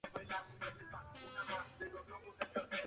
Una vez radicada en Alemania cursó allí sus estudios primarios.